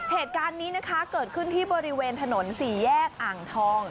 เหตุการณ์นี้นะคะเกิดขึ้นที่บริเวณถนนสี่แยกอ่างทอง